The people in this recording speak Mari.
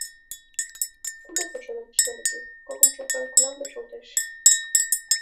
— Кузе тый шонет, Сергий, кокымшо фронт кунам почылтеш?